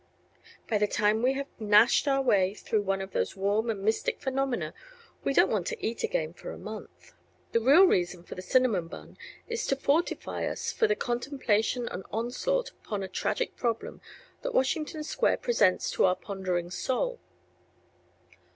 By the time we have gnashed our way through one of those warm and mystic phenomena we don't want to eat again for a month. The real reason for the cinnamon bun is to fortify us for the contemplation and onslaught upon a tragic problem that Washington Square presents to our pondering soul.